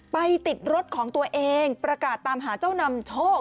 ไปติดรถของตัวเองประกาศตามหาเจ้านำโชค